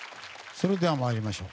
それでは、参りましょう。